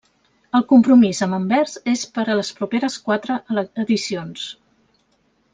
El compromís amb Anvers és per a les properes quatre edicions.